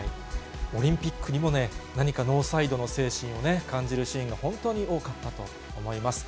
オリンピックにもね、何かノーサイドの精神を感じるシーンが本当に多かったと思います。